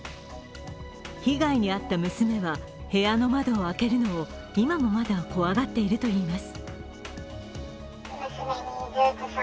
被害に遭った娘は部屋の窓を開けるのを今もまだ怖がっているといいます。